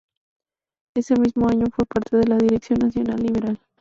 Ese mismo año fue parte de la Dirección Nacional Liberal.